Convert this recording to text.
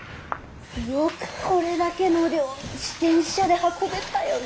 よくこれだけの量自転車で運べたよね。